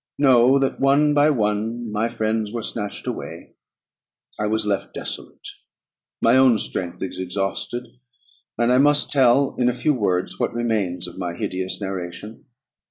Know that, one by one, my friends were snatched away; I was left desolate. My own strength is exhausted; and I must tell, in a few words, what remains of my hideous narration.